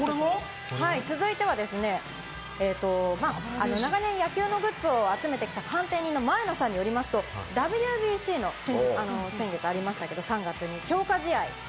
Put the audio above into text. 続いてはですね、長年、野球のグッズを集めてきた鑑定人の前野さんによりますと、ＷＢＣの先月ありましたけど、３月に。